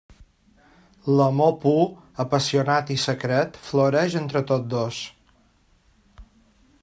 L'amor pur, apassionat i secret floreix entre tots dos.